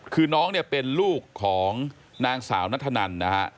คือน้องเนี่ยเป็นลูกของนางสาวนัทธนันนะฮะ